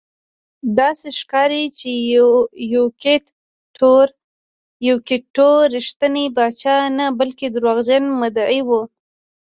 داسې ښکاري چې یوکیت ټو رښتینی پاچا نه بلکې دروغجن مدعي و.